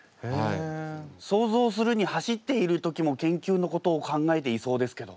想像するに走っている時も研究のことを考えていそうですけど。